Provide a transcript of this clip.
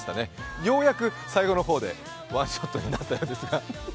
ようやく最後の方でワンショットになったようですが。